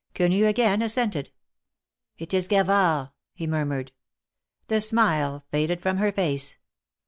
Quenu again assented. ^Mt is Gavard," he murmured. The smile faded from her face.